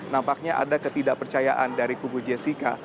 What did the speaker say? nampaknya ada ketidakpercayaan dari kubu jessica